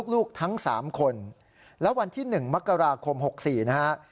ลูกทั้ง๓คนแล้ววันที่๑มกราคม๖๔นะฮะ